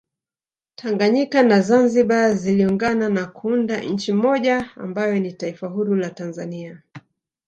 Tanganyika na zanzibar ziliungana na kuunda nchi moja ambayo ni taifa huru la Tanzania